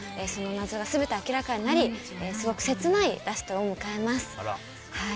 その謎が全て明らかになりすごく切ないラストを迎えます。